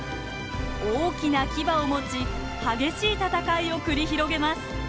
大きなキバを持ち激しい戦いを繰り広げます。